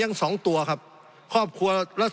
สงบจนจะตายหมดแล้วครับ